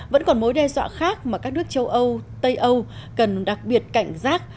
vẫn còn mối đe dọa khác mà các nước châu âu tây âu cần đặc biệt cảnh giác